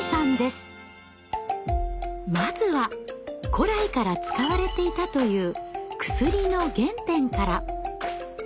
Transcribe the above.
まずは古来から使われていたという薬の原点から。